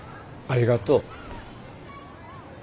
ありがとう。